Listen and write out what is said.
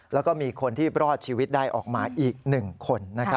แล้วก็มีคนที่รอดชีวิตได้ออกมาอีก๑คน